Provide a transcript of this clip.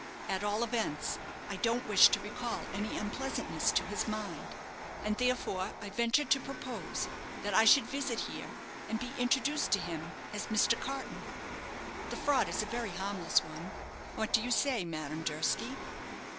At all events, I don't wish to recall any unpleasantness to his mind, and therefore I venture to propose that I should visit here, and be introduced to him as Mr. Carton. The fraud is a very harmless one; what do you say, Madame Durski?"